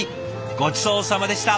ごちそうさまでした！